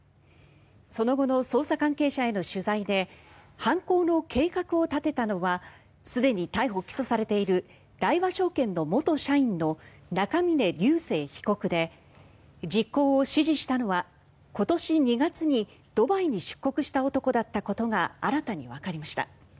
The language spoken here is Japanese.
その後の捜査関係者への取材で犯行の計画を立てたのはすでに逮捕・起訴されている大和証券の元社員の中峯竜晟被告で実行を指示したのは今年２月にドバイに出国した男だったことが新たにわかりました。